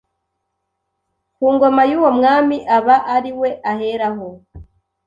ku ngoma y’uwo mwami aba ari we aheraho